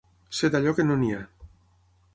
Ser d'allò que no n'hi ha.